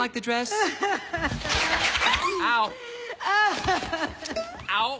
ああ。